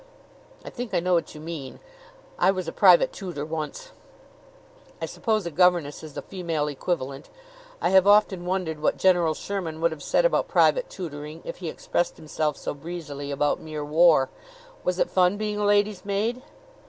"I think I know what you mean. I was a private tutor once. I suppose a governess is the female equivalent. I have often wondered what General Sherman would have said about private tutoring if he expressed himself so breezily about mere war. Was it fun being a lady's maid?"